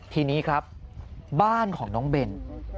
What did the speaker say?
ทีนี้ครับบ้านของน้องเบน